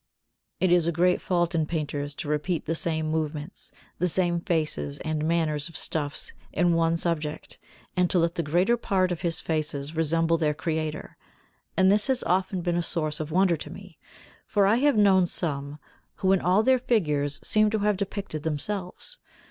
It is a great fault in painters to repeat the same movements, the same faces and manners of stuffs in one subject, and to let the greater part of his faces resemble their creator; and this has often been a source of wonder to me, for I have known some who in all their figures seem to have depicted themselves.